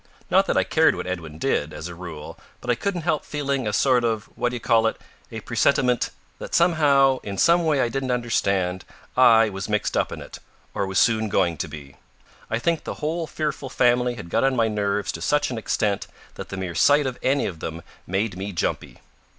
Not that I cared what Edwin did, as a rule, but I couldn't help feeling a sort of what d'you call it a presentiment, that somehow, in some way I didn't understand, I was mixed up in it, or was soon going to be. I think the whole fearful family had got on my nerves to such an extent that the mere sight of any of them made me jumpy.